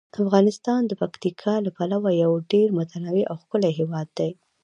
افغانستان د پکتیکا له پلوه یو ډیر متنوع او ښکلی هیواد دی.